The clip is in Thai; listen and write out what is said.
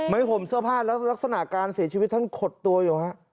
ห่มเสื้อผ้าแล้วลักษณะการเสียชีวิตท่านขดตัวอยู่ฮะ